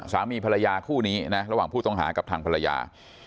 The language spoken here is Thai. สามีภรรยาคู่นี้นะระหว่างผู้ต้องหากับทางภรรยา